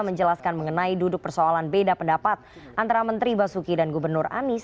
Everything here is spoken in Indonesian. menjelaskan mengenai duduk persoalan beda pendapat antara menteri basuki dan gubernur anies